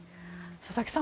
佐々木さん